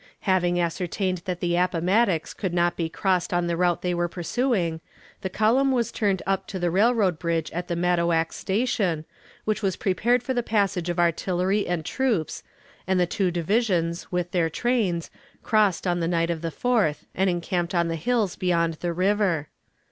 Having ascertained that the Appomattox could not be crossed on the route they were pursuing, the column was turned up to the railroad bridge at the Mattoax Station, which was prepared for the passage of artillery and troops, and the two divisions, with their trains, crossed on the night of the 4th and encamped on the hills beyond the river.